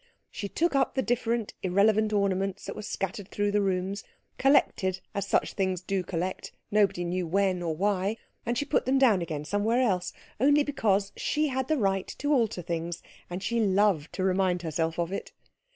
She took up the different irrelevant ornaments that were scattered through the rooms, collected as such things do collect, nobody knew when or why, and she put them down again somewhere else, only because she had the right to alter things and she loved to remind herself of it.